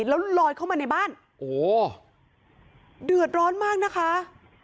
แล้วลอยเข้ามาในบ้านโอ้โหเดือดร้อนมากนะคะ